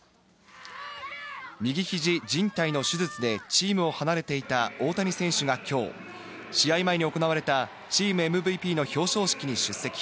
右肘靭帯の手術で、チームを離れていた大谷選手がきょう、試合前に行われたチームＭＶＰの表彰式に出席。